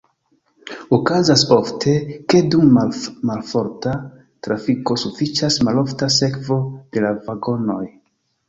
Okazas ofte, ke dum malforta trafiko sufiĉas malofta sekvo de la vagonoj.